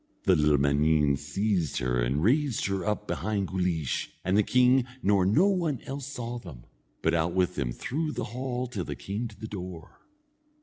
The little man_een_ seized her and raised her up behind Guleesh, and the king nor no one else saw them, but out with them through the hall till they came to the door.